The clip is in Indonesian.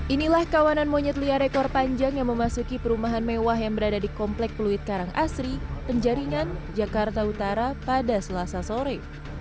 inilah kawanan monyet liar ekor panjang yang memasuki perumahan mewah yang berada di komplek peluit karang asri penjaringan jakarta utara pada selasa sore